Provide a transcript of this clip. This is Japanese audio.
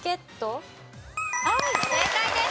正解です。